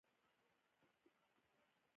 هملته مې یو کوچنی په یو بوتل کاګناک پسې ولېږه.